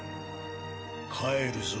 帰るぞ。